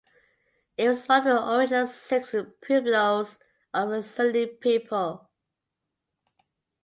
It was one of the original six pueblos of the Zuni people.